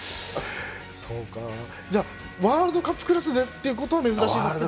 ワールドカップクラスでということは珍しいですけれども。